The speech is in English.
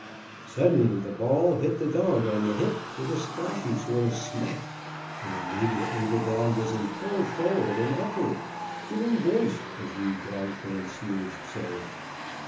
Suddenly the ball hit the dog on the hip with a splashy sort of smack, and immediately the dog was impelled forward and upward, giving voice, as we dog fanciers say.